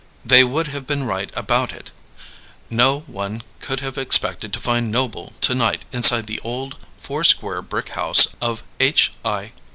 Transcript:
They would have been right about it. No one could have expected to find Noble to night inside the old, four square brick house of H. I.